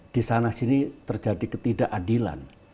di sana sini terjadi ketidakadilan